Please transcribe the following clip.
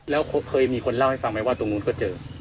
แล้วเคยมีคนเล่าให้ฟังไหมว่าตรงนู้นก็เจอ